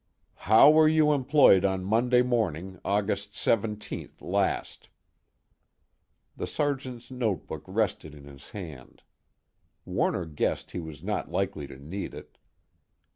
"How were you employed on Monday morning, August 17th last?" The Sergeant's notebook rested in his hand; Warner guessed he was not likely to need it.